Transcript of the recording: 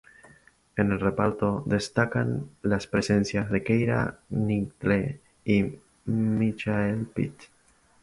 En el reparto destacan las presencias de Keira Knightley y de Michael Pitt.